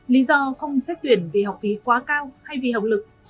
lý do không xét tuyển vì học phí quá cao hay vì học lực